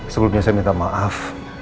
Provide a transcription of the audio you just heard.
sebelumnya saya minta maaf